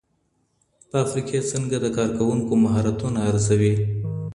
فابریکې څنګه د کارکوونکو مهارتونه ارزوي؟